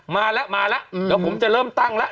มาแล้วมาแล้วเดี๋ยวผมจะเริ่มตั้งแล้ว